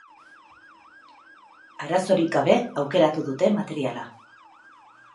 Arazorik gabe aukeratu dute materiala.